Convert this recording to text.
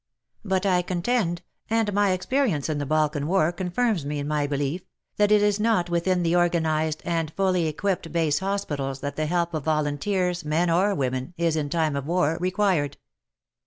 But I contend — and my experience in the Balkan War confirms me in my belief — that it is not within the organized and fully equipped base hospitals that the help of volunteers, men or women, is, in time of war, required.